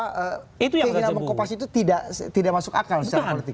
keinginan mengkopas itu tidak masuk akal